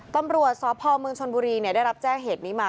ตำรวจสพเมืองชนบุรีได้รับแจ้งเหตุนี้มา